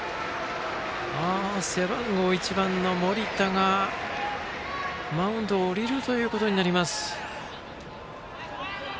背番号１番の盛田がマウンドを降りるということになります。